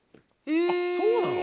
あっそうなの？